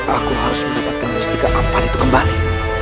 aku harus mendapatkan mustika ampal itu kembali